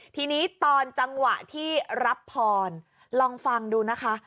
ทีนี้ตอนจังหวะที่รับพรลองฟังดูนะคะ